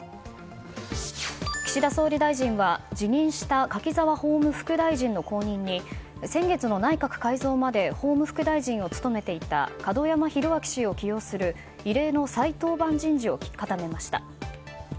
岸田総理大臣は辞任した柿沢法務副大臣の後任に先月の内閣改造まで法務副大臣を務めていた門山氏を起用する異例の再登板人事を固めました。